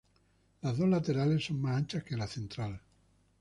Las dos laterales son más anchas que la central.